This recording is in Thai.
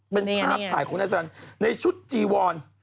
เป็นภาพถ่ายของนายสันในชุดจีวอน